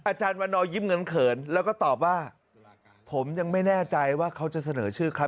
อาจารย์วันนอยิ้มเงินเขินแล้วก็ตอบว่าผมยังไม่แน่ใจว่าเขาจะเสนอชื่อใคร